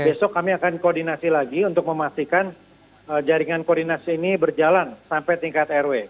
besok kami akan koordinasi lagi untuk memastikan jaringan koordinasi ini berjalan sampai tingkat rw